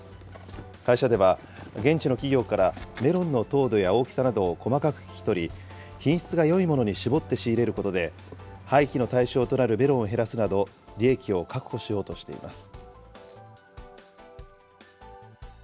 会社では、現地の企業から、メロンの糖度や大きさなどを細かく聞き取り、品質がよいものに絞って仕入れることで、廃棄の対象となるメロンを減らすなど、利益を確保しようとしています。